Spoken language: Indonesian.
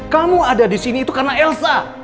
kamu ada disini itu karena elsa